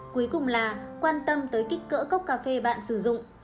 cuối cùng là quan tâm tới kích cỡ cốc cà phê bạn sử dụng